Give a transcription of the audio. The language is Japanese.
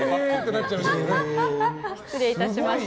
失礼いたしました。